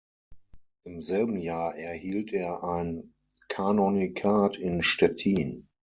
Im selben Jahr erhielt er ein Kanonikat in Stettin.